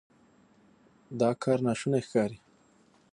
دا کار ناشونی ښکاري.